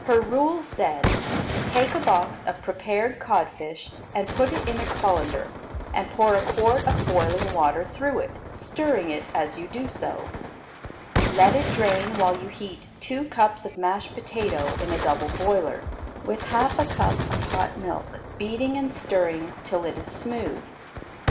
Her rule said: Take a box of prepared codfish and put it in a colander and pour a quart of boiling water through it, stirring it as you do so. Let it drain while you heat two cups of mashed potato in a double boiler, with half a cup of hot milk, beating and stirring till it is smooth.